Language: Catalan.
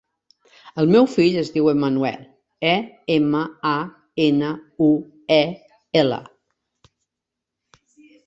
El meu fill es diu Emanuel: e, ema, a, ena, u, e, ela.